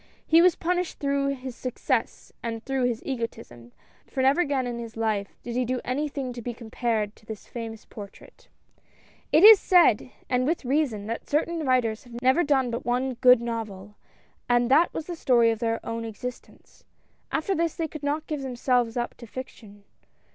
He was punished through his success and through his egotism, for never again, in his life, did he do anything to be compared to this famous portrait. 206 AT LAST. It is said, and with reason, that certain writers have never done but the one good novel, and that was the story of their own existence. After this they could not give themselves up to fiction.